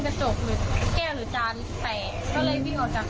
ไม่รู้ว่ากระจก